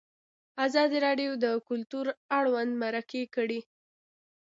ازادي راډیو د کلتور اړوند مرکې کړي.